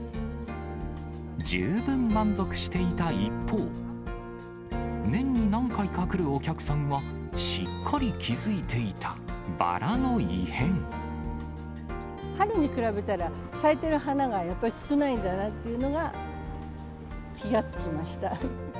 十分満足していた一方、年に何回か来るお客さんは、春に比べたら、咲いてる花がやっぱり少ないんだなっていうのが気が付きました。